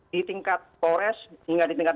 di tingkat polres hingga di tingkat